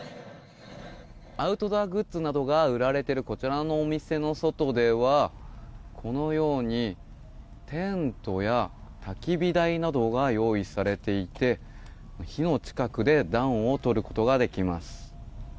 アウトドアグッズなどが売られているこちらのお店の外ではこのようにテントやたき火台などが用意されていて火の近くで暖をとることができます。